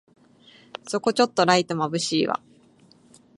そこちょっとライトまぶしいわ